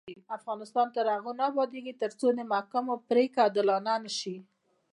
افغانستان تر هغو نه ابادیږي، ترڅو د محاکمو پریکړې عادلانه نشي.